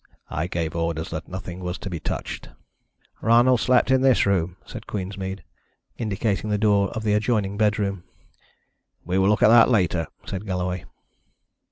I gave orders that nothing was to be touched." "Ronald slept in this room," said Queensmead, indicating the door of the adjoining bedroom. "We will look at that later," said Galloway.